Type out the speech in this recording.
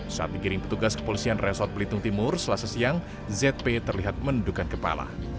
saat digiring petugas kepolisian resort belitung timur selasa siang zp terlihat mendukan kepala